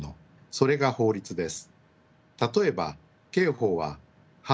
それが法律です。